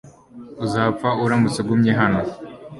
Uzapfa uramutse ugumye hano .